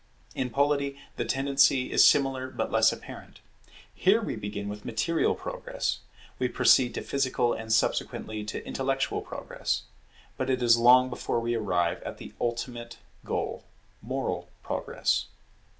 In Polity the tendency is similar but less apparent. Here we begin with material progress; we proceed to physical and subsequently to intellectual progress; but it is long before we arrive at the ultimate goal, moral progress.